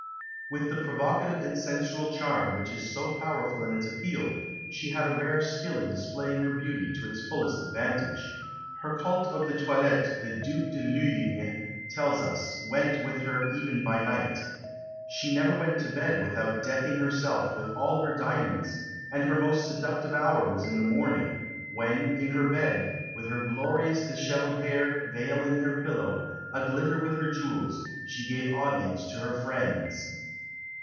With the provocative and sensual charm which is so powerful in its appeal, she had a rare skill in displaying her beauty to its fullest advantage. Her cult of the toilette, the Duc de Luynes tells us, went with her even by night. She never went to bed without decking herself with all her diamonds; and her most seductive hour was in the morning, when, in her bed, with her glorious dishevelled hair veiling her pillow, a glitter with her jewels, she gave audience to her friends.